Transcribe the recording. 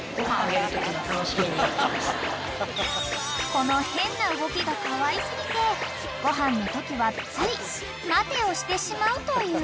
［この変な動きがかわい過ぎてご飯のときはつい「待て」をしてしまうという］